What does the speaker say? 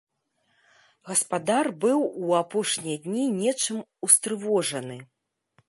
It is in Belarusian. Гаспадар быў у апошнія дні нечым устрывожаны.